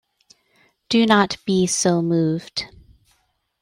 Do not be so moved.